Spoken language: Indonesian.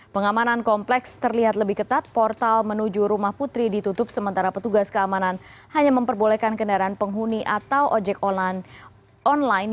pengamanan kompleks terlihat lebih ketat portal menuju rumah putri ditutup sementara petugas keamanan hanya memperbolehkan kendaraan penghuni atau ojek online